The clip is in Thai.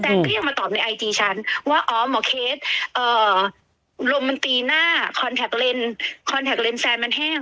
ก็ยังมาตอบในไอจีฉันว่าอ๋อหมอเคสลมมันตีหน้าคอนแท็กเลนคอนแท็กเลนสแซนมันแห้ง